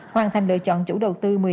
hoàn thành lựa chọn chủ đầu tư một mươi một